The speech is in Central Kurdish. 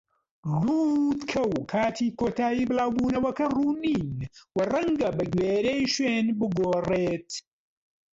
لووتکە و کاتی کۆتایی بڵاو بوونەوەکە ڕوون نین و ڕەنگە بەگوێرەی شوێن بگۆڕێت.